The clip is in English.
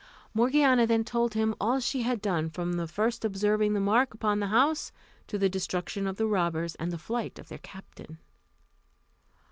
Morgiana then told him all she had done, from the first observing the mark upon the house, to the destruction of the robbers, and the flight of their captain.